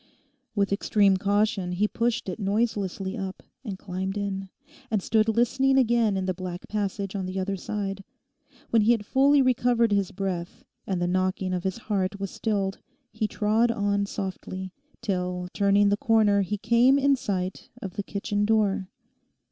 With extreme caution he pushed it noiselessly up, and climbed in, and stood listening again in the black passage on the other side. When he had fully recovered his breath, and the knocking of his heart was stilled, he trod on softly, till turning the corner he came in sight of the kitchen door.